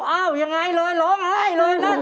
อ้าวอย่างไรเลยลงไห้เลยนั่น